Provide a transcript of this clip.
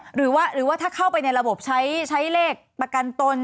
หรือว่าถ้าเข้าไปในระบบใช้เลขประกันตน